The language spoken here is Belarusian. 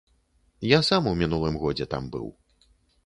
Я сам у мінулым годзе там быў.